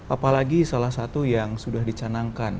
apalagi salah satu yang sudah dicanangkan